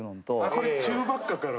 これチューバッカから？